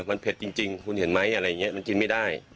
มันเผ็ดจริงคุณเห็นไหมอะไรอย่างนี้มันกินไม่ได้